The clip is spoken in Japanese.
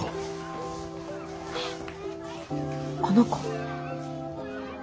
この子。